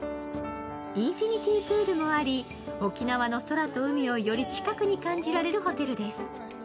インフィニティープールもあり、沖縄の空と海をより近くに感じられるホテルです。